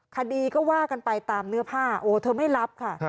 คดีก็ว่ากันไปตามเนื้อผ้าโอ้เธอไม่รับค่ะ